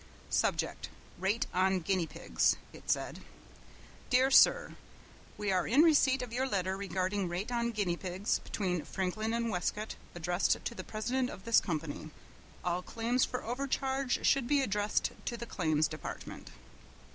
"Subject Rate on guinea pigs," it said, "Dr. Sir We are in receipt of your letter regarding rate on guinea pigs between Franklin and Westcote addressed to the president of this company. All claims for overcharge should be addressed to the Claims Department."